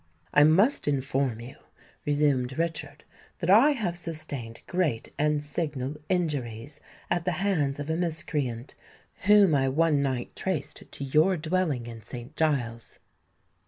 "I must inform you," resumed Richard, "that I have sustained great and signal injuries at the hands of a miscreant, whom I one night traced to your dwelling in St. Giles's."